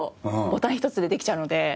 ボタン一つでできちゃうので。